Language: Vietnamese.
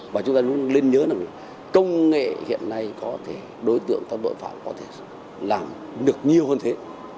và chúng ta luôn lên nhớ là công nghệ hiện nay có thể đối tượng các đội phòng có thể làm được nhiều hơn thế